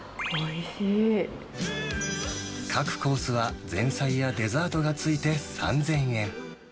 各コースは、前菜やデザートが付いて３０００円。